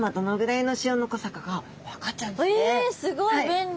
えすごい便利。